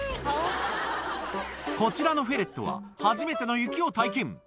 こちらのフェレットは、初めての雪を体験。